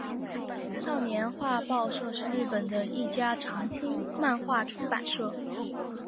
少年画报社是日本的一家长青漫画出版社。